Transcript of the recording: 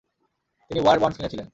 তিনি war bonds কিনেছিলেন।